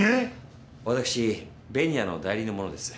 私紅谷の代理の者です。